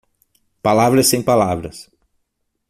Palavras sem palavras